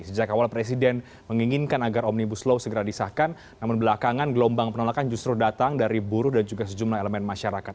sejak awal presiden menginginkan agar omnibus law segera disahkan namun belakangan gelombang penolakan justru datang dari buruh dan juga sejumlah elemen masyarakat